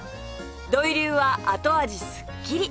土井流は後味すっきり！